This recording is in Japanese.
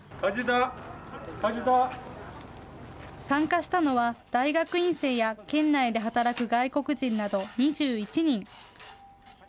参加したのは、大学院生や県内で働く外国人など２１人。